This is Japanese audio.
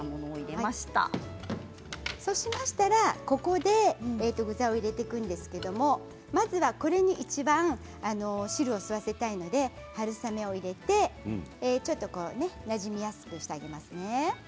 そうしましたら、ここで具材を入れていくんですけれどもまずはこれに、いちばん汁を吸わせたいので春雨を入れてちょっとなじみやすくしてあげますね。